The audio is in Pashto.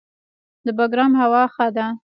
د بګرام هوا ښه ده